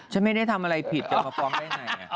ฉันไม่ได้ทำอะไรผิดจะมาฟ้องได้ไง